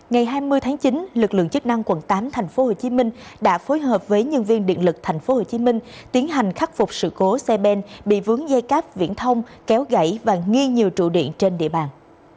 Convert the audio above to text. ngày hai mươi tháng chín lực lượng chức năng quận tám tp hcm đã phối hợp với nhân viên điện lực tp hcm tiến hành khắc phục sự cố xe ben bị vướng dây cáp viễn thông kéo gãy và nghi nhiều trụ điện trên địa bàn